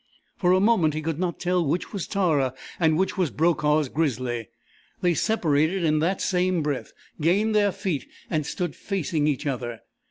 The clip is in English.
For a moment he could not tell which was Tara and which was Brokaw's grizzly. They separated in that same breath, gained their feet, and stood facing each other.